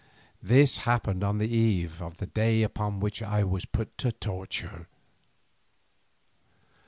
This happened on the eve of the day upon which I was put to torture.